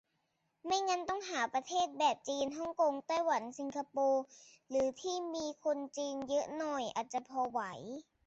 ไม่งั้นต้องหาประเทศแบบ จีน ฮ่องกง ไต้หวัน สิงคโปร์ หรือที่มีคนจีนเยอะหน่อย อาจจะพอไหว